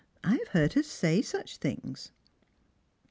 I have heard her say such things